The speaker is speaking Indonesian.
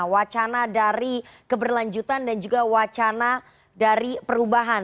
wacana dari keberlanjutan dan juga wacana dari perubahan